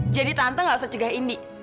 jadi tante gak usah cegah indi